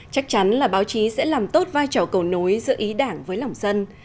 chắc chắn là báo chí sẽ làm tốt vai trò cầu nối giữa ý đảng với lòng dân